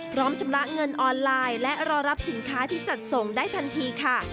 ชำระเงินออนไลน์และรอรับสินค้าที่จัดส่งได้ทันทีค่ะ